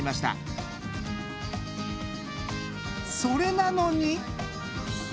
それなのに。